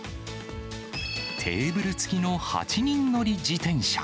テーブル付きの８人乗り自転車。